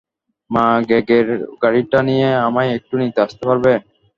মা, গ্রেগের গাড়িটা নিয়ে আমায় একটু নিতে আসতে পারবে?